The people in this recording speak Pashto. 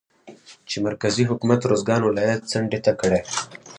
چې مرکزي حکومت روزګان ولايت څنډې ته کړى